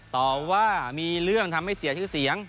ต่อว่ามีเรื่องทำให้เสียชื่อเสียง